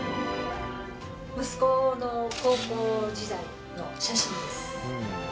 息子の高校時代の写真です。